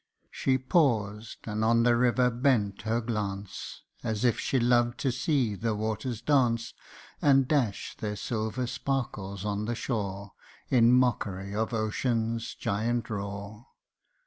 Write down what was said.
" She paused and on the river bent her glance, As if she loved to see the waters dance, And dash their silver sparkles on the shore In mockery of Ocean's giant roar.